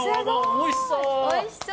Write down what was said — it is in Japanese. おいしそう。